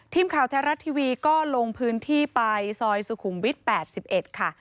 ทีมข่าวแท้รัฐทีวีก็ลงพื้นที่ไปซอยสุขุมวิทย์๘๑ค่ะ